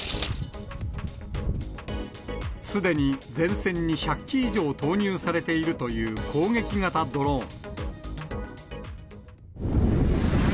すでに前線に１００機以上投入されているという攻撃型ドローン。